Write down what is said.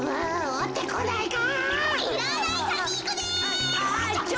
おってこないか？